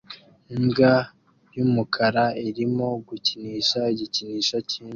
Imbwa y'umukara irimo gukinisha igikinisho cy'imbwa